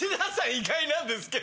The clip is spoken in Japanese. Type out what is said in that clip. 意外なんですけど。